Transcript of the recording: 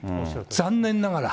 残念ながら。